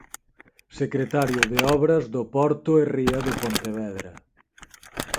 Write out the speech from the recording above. Secretario de Obras do Porto e Ría de Pontevedra.